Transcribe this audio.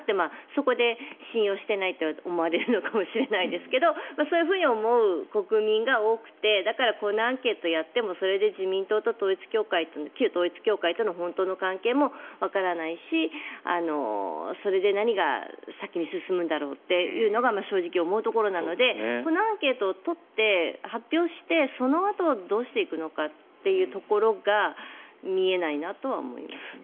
そこで信用していないと思われるのかもしれないですけどそういうふうに思う国民が多くてだからこのアンケートをやってもそれで自民党と旧統一教会との本当の関係もわからないしそれで何が先に進むんだろうというのが正直思うところなのでこのアンケートを取って発表して、そのあとどうしていくのかというところが見えないなとは思いますね。